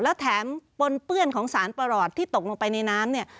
แล้วแถมปนเปื้อนของสารประหลอดที่ตกลงไปในน้ำเนี่ย